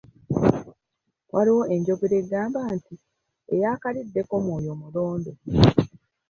Waliwo enjogera egamba nti, "Eyaakaliddeko omwoyo mulondo".